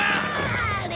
あれ？